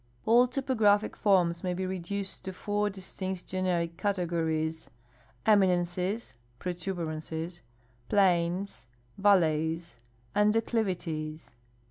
All topograi)hic forms may be reduced to four distinct generic categorie.s — eminences (protuberances), plains, valleys, and de clivities.